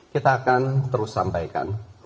kita akan terus sampaikan